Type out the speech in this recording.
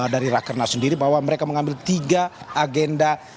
dari rakernas sendiri bahwa mereka mengambil tiga agenda